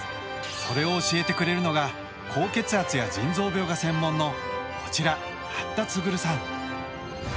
それを教えくれるのが高血圧や腎臓病が専門のこちら八田告さん。